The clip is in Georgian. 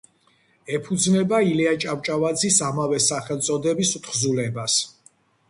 ეფუძნება ილია ჭავჭავაძის ამავე სახელწოდების თხზულებას.